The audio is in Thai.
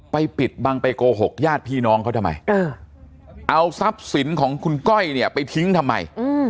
ปิดบังไปโกหกญาติพี่น้องเขาทำไมเอาทรัพย์สินของคุณก้อยเนี่ยไปทิ้งทำไม